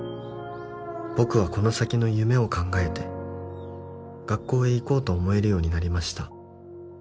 「僕はこの先の夢を考えて」「学校へ行こうと思えるようになりました」